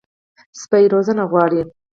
سپي روزنه غواړي.